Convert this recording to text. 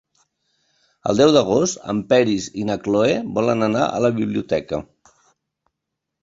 El deu d'agost en Peris i na Cloè volen anar a la biblioteca.